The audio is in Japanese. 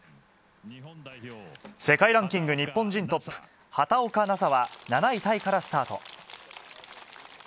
世界ランキング日本人トップ、畑岡奈紗は７位タイからスタート。